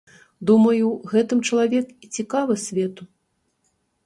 Думаю, гэтым чалавек і цікавы свету.